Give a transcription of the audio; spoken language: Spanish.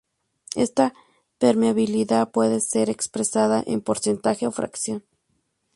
Esta permeabilidad puede ser expresada en porcentaje o fracción.